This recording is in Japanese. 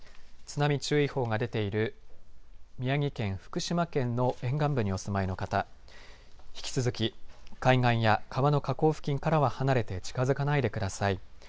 津波注意報が出ている宮城県、福島県の沿岸部にお住まいの方、引き続き海岸や川の河口付近からは離れて近づかないでください。